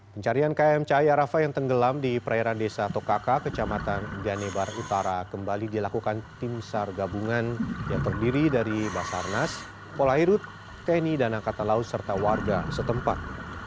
pencarian km cahaya rafa yang tenggelam di perairan desa tokaka kecamatan ganebar utara kembali dilakukan tim sar gabungan yang terdiri dari basarnas polairut tni dan angkatan laut serta warga setempat